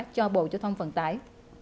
cho bộ giao thông vận tải